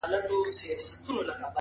خوبيا هم ستا خبري پټي ساتي ـ